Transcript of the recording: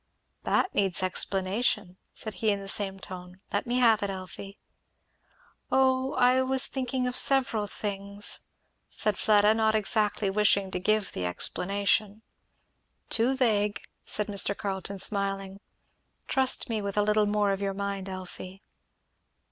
"That needs explanation," he said in the same tone. "Let me have it, Elfie." "O I was thinking of several things," said Fleda, not exactly wishing to give the explanation. "Too vague," said Mr. Carleton smiling. "Trust me with a little more of your mind, Elfie."